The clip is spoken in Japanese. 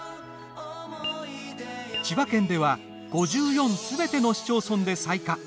千葉県では５４すべての市町村で採火。